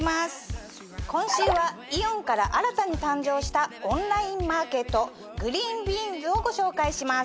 今週はイオンから新たに誕生したオンラインマーケットＧｒｅｅｎＢｅａｎｓをご紹介します。